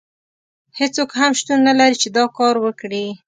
هیڅوک هم شتون نه لري چې دا کار وکړي.